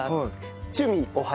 趣味お花？